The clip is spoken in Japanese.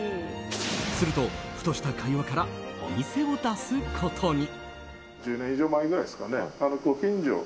すると、ふとした会話からお店を出すことに。